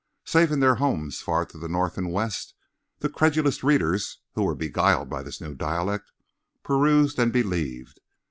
Safe in their homes far to the north and west, the credulous readers who were beguiled by this new 'dialect' perused and believed.